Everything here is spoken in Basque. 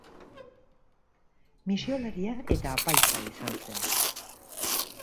Misiolaria eta apaiza izan zen.